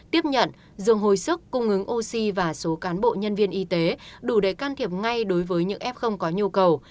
tiếp nhận dương hồi sức cung ứng oxy và số cán bộ nhân viên y tế đủ để can thiệp ngay đối với những f không có nhu cầu